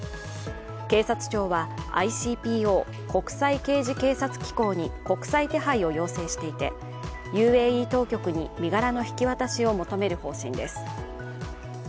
警察庁は、ＩＣＰＯ＝国際刑事警察機構に国際手配を要請していて、ＵＡＥ当局に身柄の引き渡しを求める方針です。